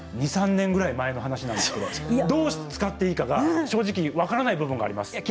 ２、３年ぐらい前の話なんですけどどう使っていいか正直分からない部分があります。